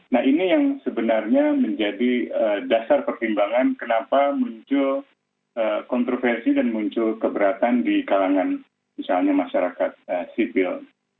nah ini yang sebenarnya menjadi dasar pertimbangan kenapa muncul kontroversi dan muncul keberatan di kalangan misalnya masyarakat sipil